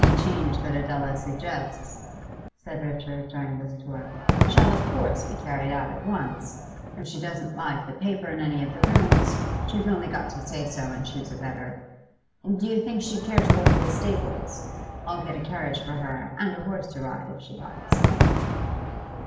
'Any change that Adela suggests,' said Richard during this tour, 'shall of course be carried out at once. If she doesn't like the paper in any of the rooms, she's only got to say so and choose a better. Do you think she'd care to look at the stables? I'll get a carriage for her, and a horse to ride, if she likes.